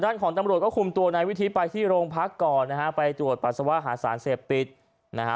ของตำรวจก็คุมตัวนายวิทิไปที่โรงพักก่อนนะฮะไปตรวจปัสสาวะหาสารเสพติดนะฮะ